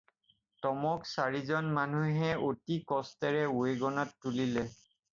টমক চাৰিজন মানুহে অতি কষ্টেৰে ৱেগনত তুলিলে।